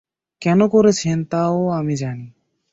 কেন করেছেন তা-ও আমি জানি।